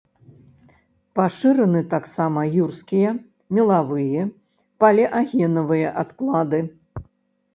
Пашыраны таксама юрскія, мелавыя, палеагенавыя адклады.